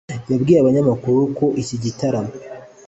Yabwiye ikinyamakuru ko iki gitaramo .